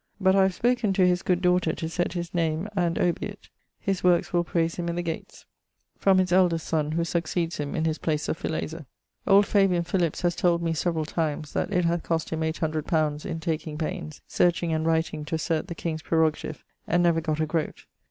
But I have spoken to his good daughter to sett his name and obiit. His workes will praise him in the gates. From his eldest sonne, who succeeds him in his place of filazer. Old Fabian Philips has told me severall times that it hath cost him 800 li. in taking paines searching and writing to assert the king's prerogative and never gott a groate.